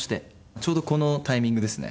ちょうどこのタイミングですね。